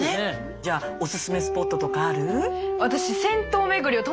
じゃあオススメスポットとかある？